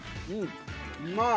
うまい！